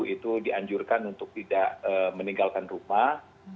itu dianjurkan untuk tidak meninggalkan rumah